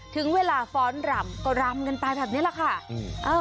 ถึงเวลาฟ้อนรำก็รำกันไปแบบนี้แหละค่ะ